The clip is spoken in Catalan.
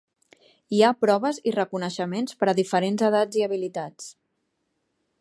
Hi ha proves i reconeixements per a diferents edats i habilitats.